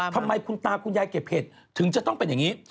ทำไมคุณตาคุณยายเก็บเห็ดถึงจะต้องเป็นอย่างนี้